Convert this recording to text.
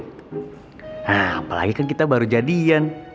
nah apalagi kan kita baru jadian